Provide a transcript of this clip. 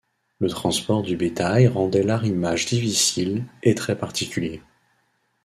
Le transport du bétail rendait l’arrimage difficile et très particulier.